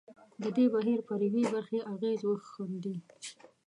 د دې بهیر پر یوې برخې اغېز وښندي.